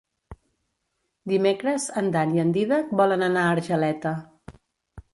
Dimecres en Dan i en Dídac volen anar a Argeleta.